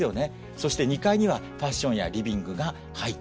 そして２階にはファッションやリビングが入っていると。